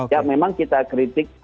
ya memang kita kritik